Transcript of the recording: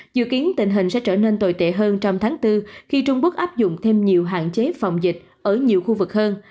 dự kiến tình hình sẽ trở nên tồi tệ hơn trong tháng bốn khi trung quốc áp dụng thêm nhiều hạn chế phòng dịch ở nhiều khu vực hơn